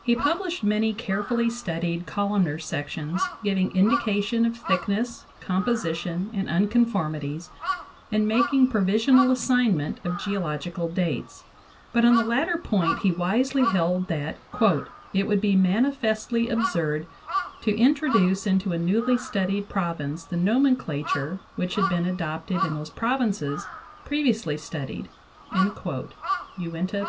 He published many carefully studied columnar sections, giving indication of thick ness, composition, and unconformities, and making provisional assignment of geological datesj but on the latter point he wisely held that "it would be manifestly absurd to introduce into a newly studied province the nomenclature which had been adopted in those provinces previously studied" (Uinta, 38).